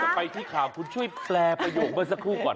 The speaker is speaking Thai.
ก่อนจะไปที่ขามคุณช่วยแปลประโยคได้สักครู่ก่อนครับ